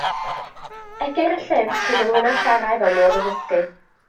Egyr y llyfr trwy gyflwyno chwarae fel modd o ddysgu.